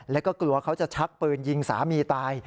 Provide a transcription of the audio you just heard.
แล้วก็กลัวเขาจะชักปืนยิงสามีตาย